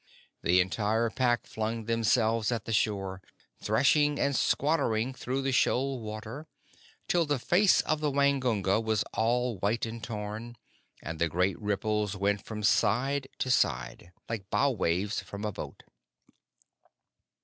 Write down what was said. The entire Pack flung themselves at the shore, threshing and squattering through the shoal water, till the face of the Waingunga was all white and torn, and the great ripples went from side to side, like bow waves from a boat.